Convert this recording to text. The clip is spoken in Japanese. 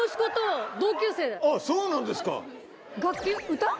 あっそうなんですか！